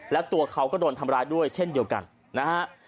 แล้วตัวเขาก็โดนทำร้ายด้วยเช่นเดียวกันนะฮะ